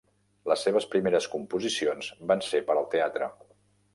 Les seves primeres composicions van ser per al teatre.